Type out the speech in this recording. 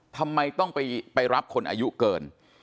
ทำไมต้องไปรับคนอายุเกิน